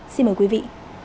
xin mời quý vị